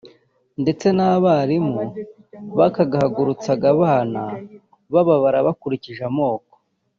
ndetse n’abarimu bakagahagurutsa abana bababara bakurikije amoko